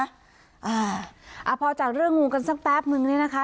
อ่าพอจากเรื่องงูกันสักแป๊บนึงเนี่ยนะคะ